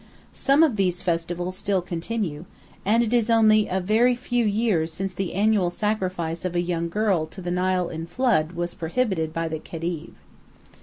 Some of these festivals still continue, and it is only a very few years since the annual sacrifice of a young girl to the Nile in flood was prohibited by the Khedive.